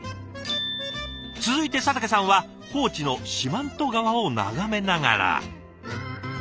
続いて佐竹さんは高知の四万十川を眺めながら。